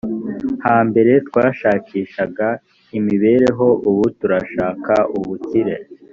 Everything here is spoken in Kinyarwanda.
hambere twashakishaga imibereho ubu turashaka ubukire